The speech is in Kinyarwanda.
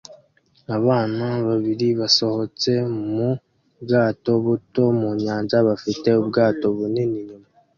Abana babiri basohotse mu bwato buto mu nyanja bafite ubwato bunini inyuma